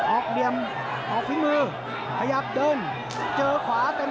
ออกพิมือขยับเดินเจอขวาเต็ม